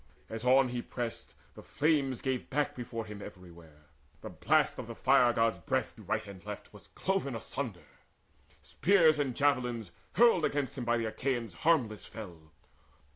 As on he pressed, The flames gave back before him everywhere: The blast of the Fire god's breath to right and left Was cloven asunder. Spears and javelins hurled Against him by the Achaeans harmless fell.